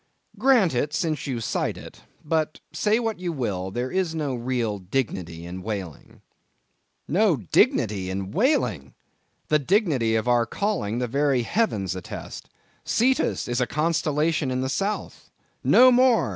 Grant it, since you cite it; but, say what you will, there is no real dignity in whaling. No dignity in whaling? The dignity of our calling the very heavens attest. Cetus is a constellation in the South! No more!